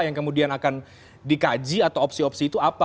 yang kemudian akan dikaji atau opsi opsi itu apa